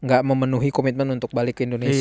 gak memenuhi komitmen untuk balik ke indonesia